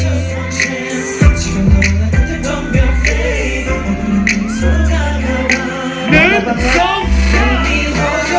เยี่ยมมาก